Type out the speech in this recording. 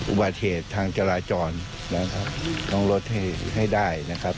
อุบัติเหตุทางจราจรนะครับต้องลดให้ให้ได้นะครับ